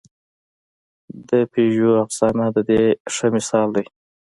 د پېژو افسانه د دې ښه مثال دی.